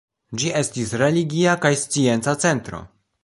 Ĝi estis religia kaj scienca centro.